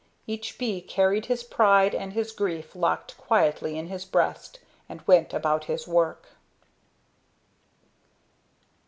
Each bee carried his pride and his grief locked quietly in his breast and went about his work.